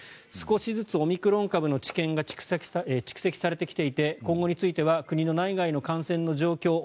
少しずつオミクロン株の知見が蓄積されてきて今後については国の内外の感染の状況